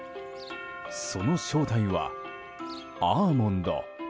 その正体は、アーモンド。